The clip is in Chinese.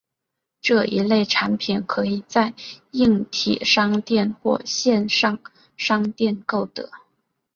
这一类产品可以在硬体商店或线上商店购得。